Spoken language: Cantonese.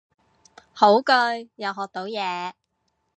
好句，又學到嘢